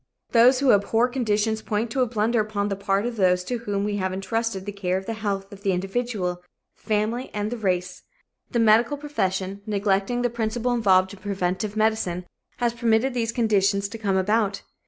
Those abhorrent conditions point to a blunder upon the part of those to whom we have entrusted the care of the health of the individual, the family and the race. The medical profession, neglecting the principle involved in preventive medicine, has permitted these conditions to come about.